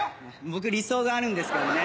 僕理想があるんですけどね。